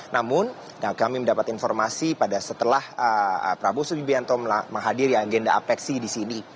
namun kami mendapat informasi pada setelah prabowo subianto menghadiri agenda apeksi di sini